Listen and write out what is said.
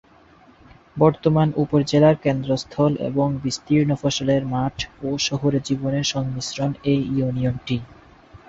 বর্তমান উপজেলার কেন্দ্রস্থল এবং বিস্তীর্ণ ফসলের মাঠ ও শহুরে জীবনের সংমিশ্রণ এই ইউনিয়নটি।